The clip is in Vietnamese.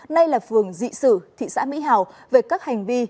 nay là phường dị sử thị xã mỹ hào về các hành vi